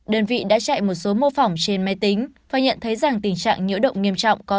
đơn vị đã chạy một số mô phỏng trên máy tính và nhận thấy rằng tình trạng nhiễu động nghiêm trọng có